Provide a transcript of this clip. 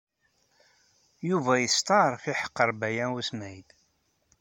Yuba yesṭeɛref iḥeqqeṛ Baya U Smaɛil.